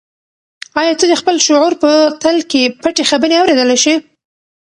آیا ته د خپل شعور په تل کې پټې خبرې اورېدلی شې؟